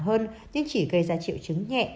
hơn nhưng chỉ gây ra triệu chứng nhẹ